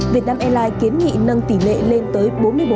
vietnam airlines kiến nghị nâng tỷ lệ lên tới bốn mươi bốn